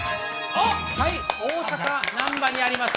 大阪・なんばにあります